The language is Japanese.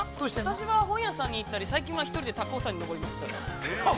◆私は本屋さんに行ったり、最近は１人で高尾山に登りました。